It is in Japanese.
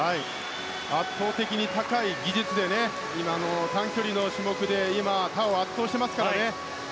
圧倒的に高い技術で短距離の種目で今、他を圧倒していますからね。